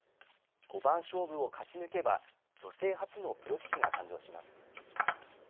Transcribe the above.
五番勝負を勝ち抜けば女性初のプロ棋士が誕生します。